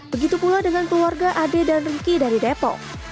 begitu pula dengan keluarga ade dan ruki dari depo